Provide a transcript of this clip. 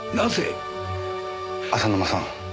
浅沼さん。